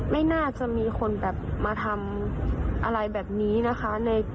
ไม่น่าจะมีคนแบบมาทำอะไรแบบนี้นะคะ